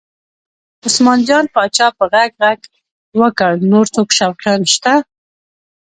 عثمان جان پاچا په غږ غږ وکړ نور څوک شوقیان شته؟